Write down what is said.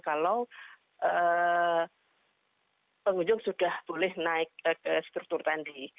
kalau pengunjung sudah boleh naik ke struktur tadi